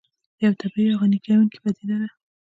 یو طبیعي او غني کوونکې پدیده ده